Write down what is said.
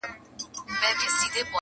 وايی سوله به راځي ملک به ودان سي-